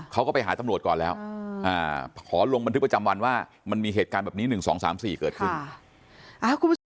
เขาก็ไปหาตำรวจก่อนแล้วขอลงบันทึกประจำวันว่ามันมีเหตุการณ์แบบนี้๑๒๓๔เกิดขึ้น